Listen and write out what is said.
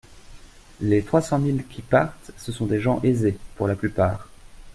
Les trois cent mille qui partent, ce sont des gens aisés, pour la plupart.